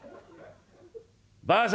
「ばあさん